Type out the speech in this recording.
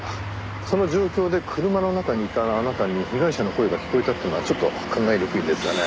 その状況で車の中にいたあなたに被害者の声が聞こえたっていうのはちょっと考えにくいんですがね。